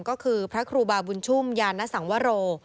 ก็คือพระครูบาบุญชุ่มยานสังวโร